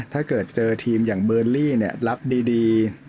ถ้าเกิดเจอทีมอย่างเบอร์ลี่รับดี